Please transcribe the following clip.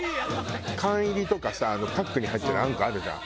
缶入りとかさパックに入ってるあんこあるじゃん。